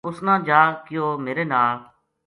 اس نا جا کہیو میرے نال